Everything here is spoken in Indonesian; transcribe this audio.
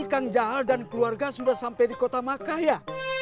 kang jaal dan keluarga sudah sampai di kota makkah ya